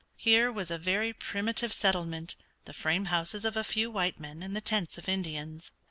Here was a very primitive settlement, the frame houses of a few white men and the tents of Indians.